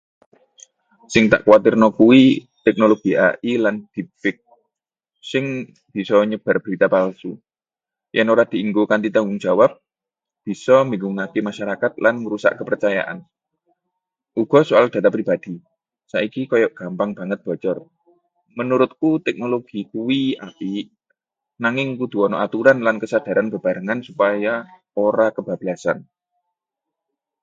Sing tak kuwatirno kuwi teknologi AI lan deepfake sing bisa nyebar berita palsu. Yen ora dienggo kanthi tanggung jawab, bisa mbingungke masyarakat lan ngrusak kapercayan. Uga soal data pribadi, saiki koyo gampang banget bocor. Menurutku teknologi kuwi apik, nanging kudu ana aturan lan kesadaran bebarengan supaya ora kebablasan.